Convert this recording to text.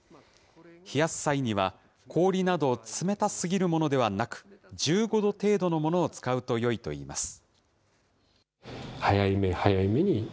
冷やす際には、氷など冷たすぎるものではなく、１５度程度のものを使うとよいといいます。